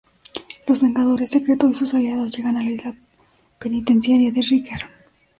Los Vengadores Secretos y sus aliados llegan a la Isla Penitenciaria de Riker.